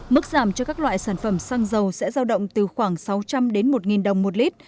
mức giảm cho các loại sản phẩm xăng dầu sẽ giao động từ khoảng sáu trăm linh đến một đồng một lít